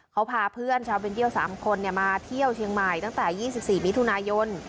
เขาพาเพื่อนชาวเบนเยี่ยว๓คนมาเที่ยวเชียงใหม่ตั้งแต่๒๔มิถุนายน